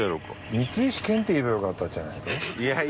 光石研って言えば良かったっちゃないと？